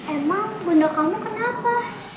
emang bunda kamu kenapa